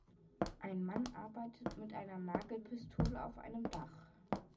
Ein Mann arbeitet mit einer Nagelpistole auf einem Dach.